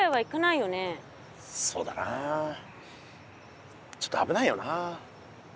そうだなあちょっとあぶないよな。